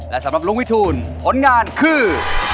และสำหรับลุงวิทูลผลงานคือ